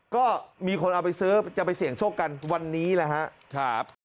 ก็มีคนเอาไปซื้อจะไปเสี่ยงโชคกันวันนี้แหละครับ